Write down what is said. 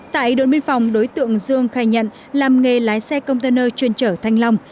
tại đội biên phòng đối tượng dương khai nhận làm nghề lái xe container chuyên trở thanh long